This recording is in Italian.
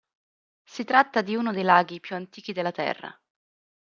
Si tratta di uno dei laghi più antichi della Terra.